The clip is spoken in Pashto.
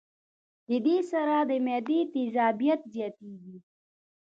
د دې سره د معدې تېزابيت زياتيږي